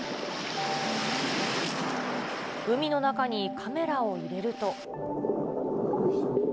海の中にカメラを入れると。